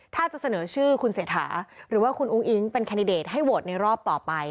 ถ้าจะเสนอชื่อคุณเศรษฐาหรือว่าคุณอุ้งอิ๊งเป็นแคนดิเดตให้โหวตในรอบต่อไป